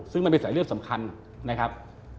ซึ่งมันเป็นสายเลือดสำคัญนะครับ